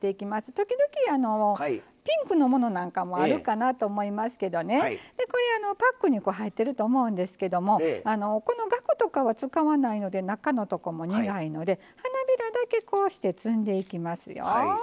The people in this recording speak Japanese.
時々、ピンクものなんかもあるかなと思いますけどパックに入っていると思うんですけどこの、がくとかは使わないので中のとこも苦いので花びらだけ、こうして摘んでいきますよ。